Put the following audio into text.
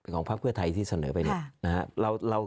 ของภาพเครือไทยที่เสนอไปเนี่ย